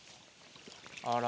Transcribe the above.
あら。